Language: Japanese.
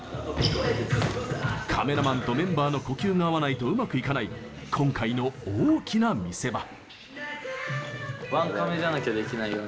カメラマンとメンバーの呼吸が合わないと、うまくいかない今回の大きな見せ場。